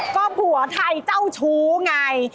ก็ผัวไทยเจ้าชู้ไง